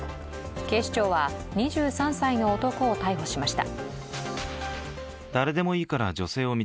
警視庁は２３歳の男を逮捕しました。